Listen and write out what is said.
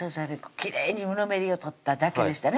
きれいにぬめりを取っただけでしたね